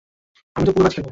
আমি তো পুরো ম্যাচ খেলব।